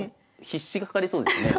必至がかかりそうですね。